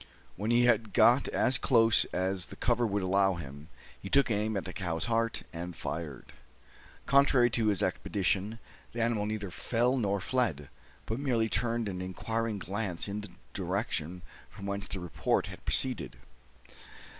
When he had got as close as the cover would allow him, he took aim at the cow's heart and fired. Contrary to his expectation, the animal neither fell nor fled, but merely turned an inquiring glance in the direction from whence the report had proceeded.